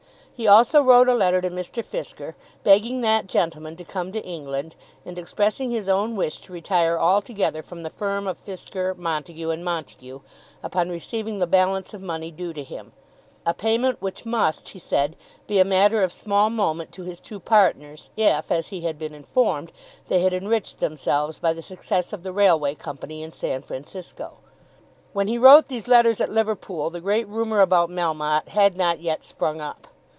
He also wrote a letter to Mr. Fisker, begging that gentleman to come to England, and expressing his own wish to retire altogether from the firm of Fisker, Montague, and Montague upon receiving the balance of money due to him, a payment which must, he said, be a matter of small moment to his two partners, if, as he had been informed, they had enriched themselves by the success of the railway company in San Francisco. When he wrote these letters at Liverpool the great rumour about Melmotte had not yet sprung up.